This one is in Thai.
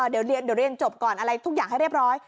เดี๋ยวเรียนจบก่อนทุกอย่างให้เรียบร้อย